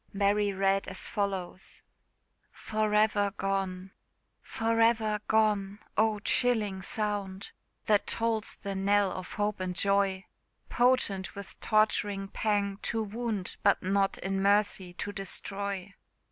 Mary read as follows: FOR EVER GONE. For ever gone! oh, chilling sound! That tolls the knell of hope and joy! Potent with torturing pang to wound, But not in mercy to destroy.